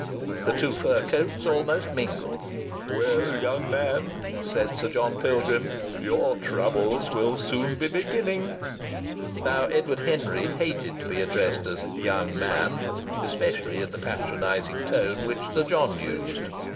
The two fur coats almost mingled. "Well, young man," said Sir John Pilgrim, "your troubles will soon be beginning." Now Edward Henry hated to be addressed as "young man," especially in the patronizing tone which Sir John used.